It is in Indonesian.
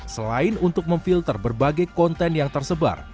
selain untuk memfilter berbagai konten yang tersebar